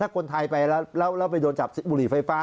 ถ้าคนไทยไปแล้วแล้วเราไปโดนจับบุหรี่ไฟฟ้า